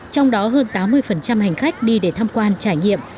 trong đó hơn tám mươi hành khách đi để tham quan trải nghiệm